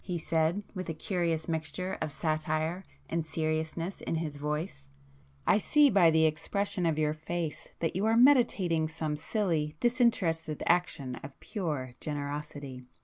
he said, with a curious mixture of satire and seriousness in his voice—"I see by the expression of your face that you are meditating some silly disinterested action of pure generosity.